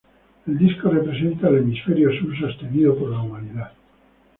El disco representa el Hemisferio Sur sostenido por la humanidad.